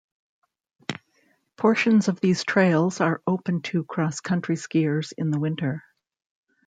Portions of these trails are open to cross-country skiers in the winter.